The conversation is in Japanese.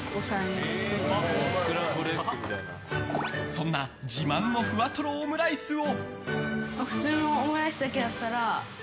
そんな自慢のふわとろオムライスを。